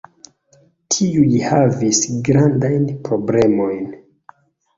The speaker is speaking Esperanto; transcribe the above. Tiuj havis grandajn problemojn.